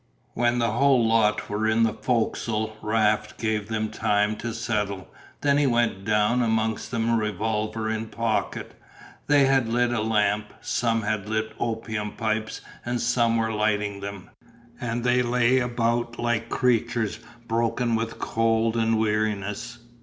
When the whole lot were in the fo'c'sle Raft gave them time to settle, then he went down amongst them revolver in pocket. They had lit a lamp, some had lit opium pipes and some were lighting them, and they lay about like creatures broken with cold and weariness.